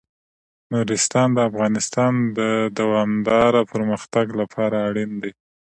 نورستان د افغانستان د دوامداره پرمختګ لپاره اړین دي.